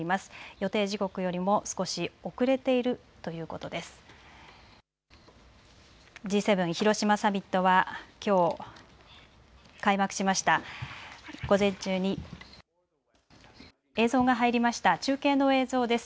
予定時刻よりも少し遅れているということです。